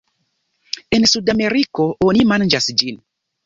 En Sudameriko oni manĝas ĝin.